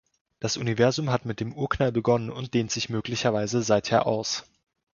Das Universum hat mit dem Urknall begonnen und dehnt sich möglicherweise seither aus.